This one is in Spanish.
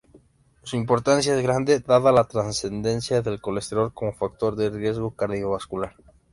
Su importancia es grande, dada la trascendencia del colesterol como factor de riesgo cardiovascular.